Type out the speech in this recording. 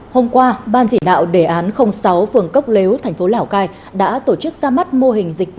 hôm qua ban chỉ đạo đề án sáu phường cốc lếu thành phố lào cai đã tổ chức ra mắt mô hình dịch vụ